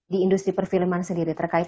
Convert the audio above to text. di industri perfilman sendiri terkait